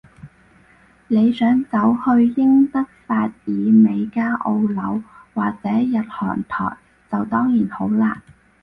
你想走去英德法意美加澳紐，或者日韓台，就當然好難